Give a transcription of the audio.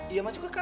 ya mas juga kaget